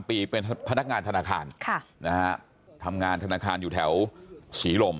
ปีเป็นพนักงานธนาคารนะฮะทำงานธนาคารอยู่แถวศรีลม